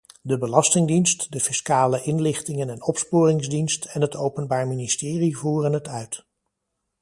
De Belastingdienst, de fiscale inlichtingen- en opsporingsdienst, en het Openbaar Ministerie voeren het uit.